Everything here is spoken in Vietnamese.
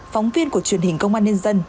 phóng viên của truyền hình công an nhân dân